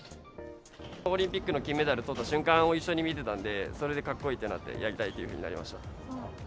オリンピックの金メダルとった瞬間を一緒に見てたんで、それでかっこいいってなって、やりたいというふうになりました。